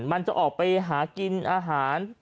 มันจะออกไปหากินอาหาร